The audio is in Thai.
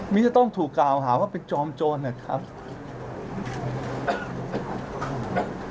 นี่จะต้องถูกกล่าวหาว่าเป็นจอมโจรนะครับ